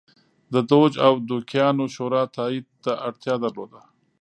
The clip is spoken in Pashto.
د دوج او دوکیانو شورا تایید ته اړتیا درلوده